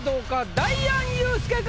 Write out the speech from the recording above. ダイアンユースケか？